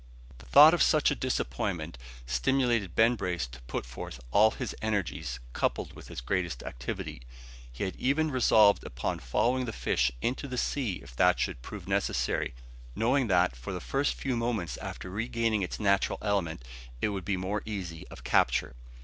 The thought of such a disappointment stimulated Ben Brace to put forth all his energies, coupled with his greatest activity. He had even resolved upon following the fish into the sea if it should prove necessary, knowing that for the first few moments after regaining its natural element it would be more easy of capture.